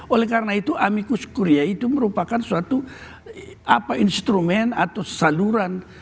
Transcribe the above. oleh karena itu amikus kuria itu merupakan suatu instrumen atau saluran